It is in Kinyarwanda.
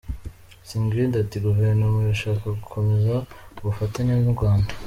Sigrid ati “ Guverinoma irashaka gukomeza ubufatanye n’u Rwanda.